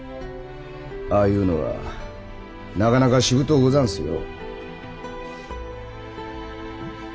ああいうのはなかなかしぶとうござんすよ。